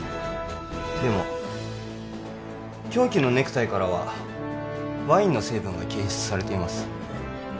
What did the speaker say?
でも凶器のネクタイからはワインの成分が検出されています